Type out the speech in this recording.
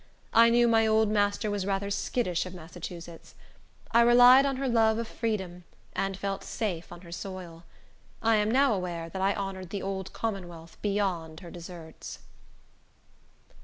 I knew my old master was rather skittish of Massachusetts. I relied on her love of freedom, and felt safe on her soil. I am now aware that I honored the old Commonwealth beyond her deserts.